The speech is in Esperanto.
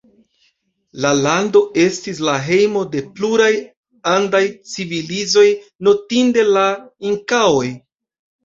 La lando estis la hejmo de pluraj andaj civilizoj, notinde la inkaoj.